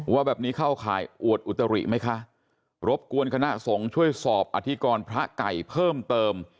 ว่าแบบนี้เข้าข่ายอวดอุตริไหมคะรบกวนคณะสงฆ์ช่วยสอบอธิกรพระไก่เพิ่มเติม